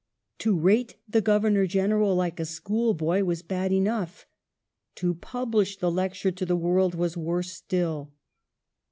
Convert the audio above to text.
To rate the Governor General like a schoolboy was bad enough, to publish the lecture to the world was worse still.